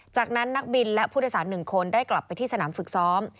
จากนั้นนักบินและผู้โดยสาร๑คนได้กลับไปที่สนามฝึกซ้อม